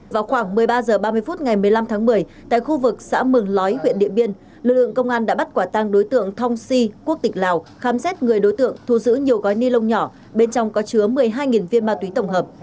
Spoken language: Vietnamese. vào khoảng một mươi ba h ba mươi phút ngày một mươi năm tháng một mươi tại khu vực xã mường lói huyện điện biên lực lượng công an đã bắt quả tăng đối tượng thong si quốc tịch lào khám xét người đối tượng thu giữ nhiều gói ni lông nhỏ bên trong có chứa một mươi hai viên ma túy tổng hợp